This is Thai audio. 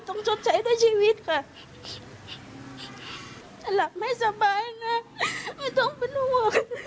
ชดใช้ด้วยชีวิตค่ะจะหลับไม่สบายนะไม่ต้องเป็นห่วง